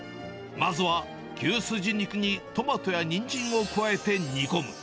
まずは牛筋肉にトマトやニンジンを加えて煮込む。